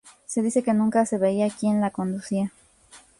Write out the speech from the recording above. Se dice que nunca se veía quien la conducía.